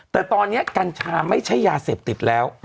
แต่ตอนนี้กัญชาไม่ใช่ยาเสพติดแล้ว